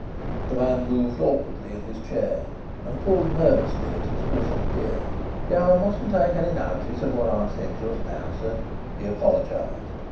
The man moved awkwardly in his chair and pulled nervously at his grizzled beard. "You mustn't take any notice of what I said just now, sir," he apologized.